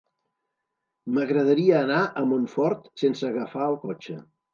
M'agradaria anar a Montfort sense agafar el cotxe.